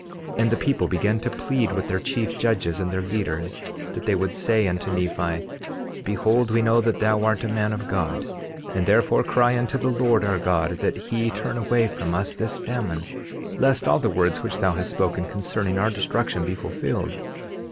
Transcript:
11:8 And the people began to plead with their chief judges and their leaders, that they would say unto Nephi: Behold, we know that thou art a man of God, and therefore cry unto the Lord our God that he turn away from us this famine, lest all the words which thou hast spoken concerning our destruction be fulfilled.